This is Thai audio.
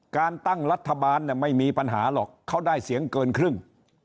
การตั้งรัฐบาลไม่มีปัญหาหรอกเขาได้เสียงเกินครึ่ง